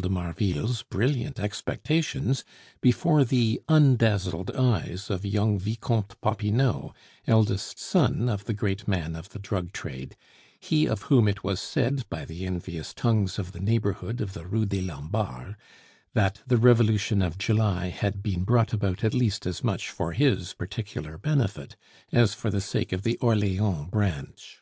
de Marville's brilliant expectations before the undazzled eyes of young Vicomte Popinot, eldest son of the great man of the drug trade, he of whom it was said by the envious tongues of the neighborhood of the Rue des Lombards, that the Revolution of July had been brought about at least as much for his particular benefit as for the sake of the Orleans branch.